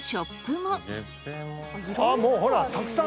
もうほらたくさん。